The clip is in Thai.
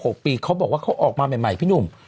ก็๑๖ปีเขาบอกว่าเขาออกมาใหม่พี่หนุ่ม